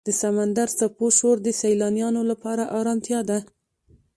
د سمندر څپو شور د سیلانیانو لپاره آرامتیا ده.